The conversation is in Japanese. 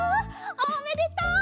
おめでとう！